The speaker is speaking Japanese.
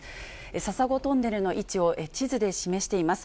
笹子トンネルの位置を地図で示しています。